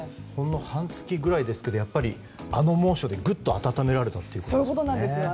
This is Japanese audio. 半月ぐらいですがあの猛暑でぐっと暖められたということなんですね。